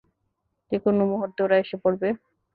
যেকোনো মুহুর্তে ওরা এসে পড়বে।